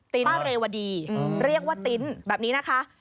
ป้าเรวดีเรียกว่าติ๊นแบบนี้นะคะ